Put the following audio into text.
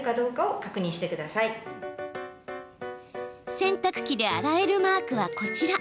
洗濯機で洗えるマークは、こちら。